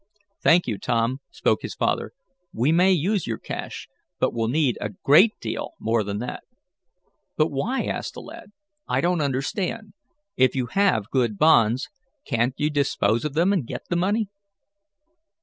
"Thank you, Tom," spoke his father. "We may use your cash, but we'll need a great deal more than that." "But why?" asked the lad. "I don't understand. If you have good bonds, can't you dispose of them, and get the money?"